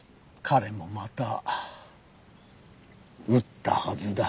彼もまた撃ったはずだ。